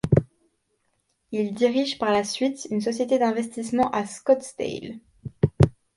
Il dirige par la suite une société d'investissement à Scottsdale.